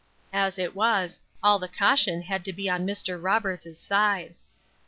As it was, all the caution had to be on Mr. Robert's side.